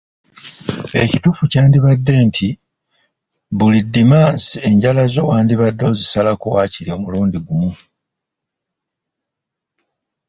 Ekituufu kyandibadde nti buli Ddimansi enjala zo wandibadde ozisalako waakiri omulundi gumu.